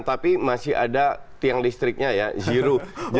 tapi masih ada tiang listriknya ziru